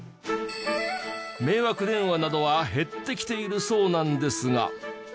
迷惑電話などは減ってきているそうなんですが。